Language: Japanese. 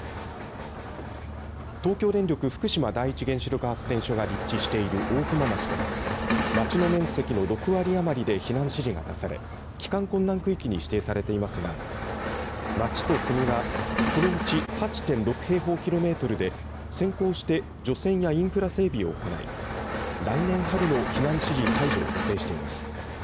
東京電力福島第一原子力発電所が立地している大熊町では町の面積の６割余りで避難指示が出され帰還困難区域に指定されていますが町と国はこのうち８．６平方キロメートルで先行して除染やインフラ整備を行い来年春の避難指示解除を予定しています。